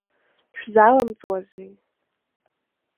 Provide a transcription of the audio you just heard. Шәзалымҵуазеи…